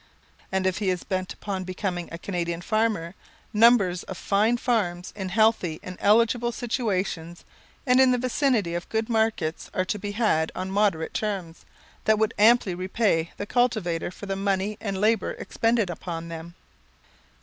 And if he is bent upon becoming a Canadian farmer, numbers of fine farms, in healthy and eligible situations, and in the vicinity of good markets, are to be had on moderate terms, that would amply repay the cultivator for the money and labour expended upon them.